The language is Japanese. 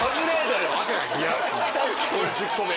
これ１０個目。